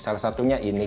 salah satunya ini